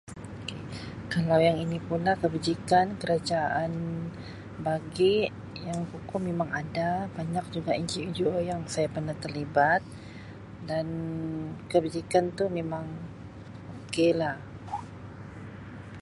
Kalau yang ini pula kebajikan kerajaan bagi yang buku memang ada banyak juga NGO NGO yang saya pernah terlibat dan kebajikan tu memang ok lah.